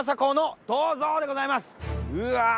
うわ！